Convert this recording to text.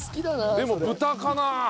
でも豚かな。